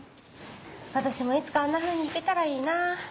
私もいつかあんなふうに弾けたらいいな。